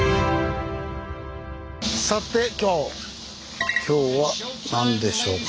さて今日今日は何でしょうか。